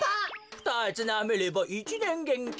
ふたつなめれば１ねんげんき。